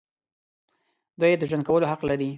دوی د ژوند کولو حق لري.